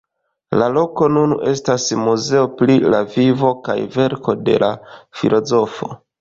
La loko nun estas muzeo pri la vivo kaj verko de la filozofo.